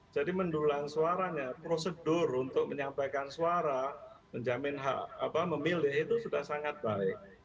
jadi mendulang suaranya prosedur untuk menyampaikan suara menjamin hak memilih itu sudah sangat baik